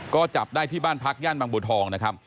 ก็จับได้ที่บ้านพักย่านบางบัวทองนะครับ